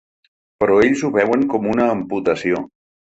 Però ells ho veuen com una amputació.